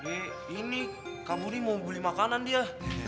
eh ini kamu ini mau beli makanan dia